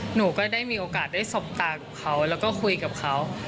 หนูก็ได้มีโอกาสได้สบตากับเขาแล้วก็คุยกับเขา